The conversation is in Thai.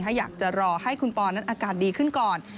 ถ้าอยากจะรอให้คุณปอนั้นอาการดีขึ้นก่อน